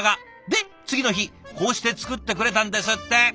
で次の日こうして作ってくれたんですって。